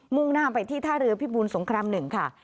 ่งหน้าไปที่ท่าเรือพิบูลสงคราม๑ค่ะ